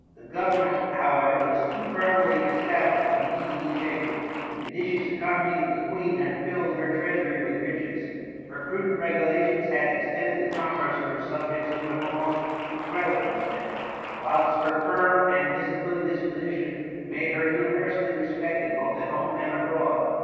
The government, however, was too firmly es tablished to be easily shaken. The judicious economy of the Queen had filled her treasury with riches; her prudent regulations had ex tended the commerce of her subjects to ati al most incredible extent ; whilst her firm and de cided disposition made her universally respect ed both at home and abroad.